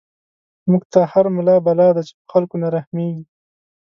موږ ته هر ملا بلا دی، چی په خلکو نه رحميږی